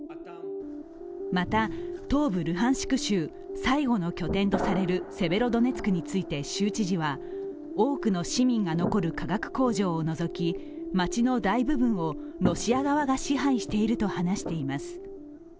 また東部ルハンシク州最後の拠点とされるセベロドネツクについて州知事は、多くの市民が残る化学工場を除き街の大部分をロシア側が支配していると話しています。